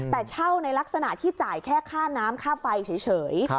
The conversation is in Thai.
แต่เช่าในลักษณะที่จ่ายแค่ค่าน้ำค่าไฟเฉย